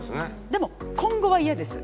でも今後はイヤです。